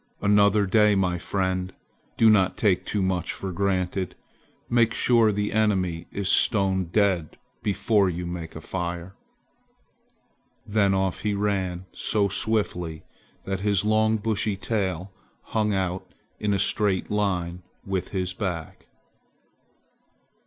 "Another day, my friend, do not take too much for granted. Make sure the enemy is stone dead before you make a fire!" Then off he ran so swiftly that his long bushy tail hung out in a straight line with his back.